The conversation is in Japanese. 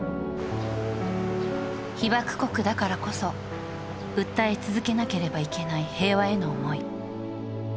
被爆国だからこそ、訴え続けなければいけない平和への思い。